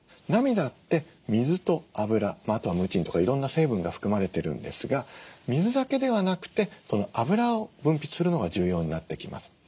涙って水と脂あとはムチンとかいろんな成分が含まれてるんですが水だけではなくて脂を分泌するのが重要になってきます。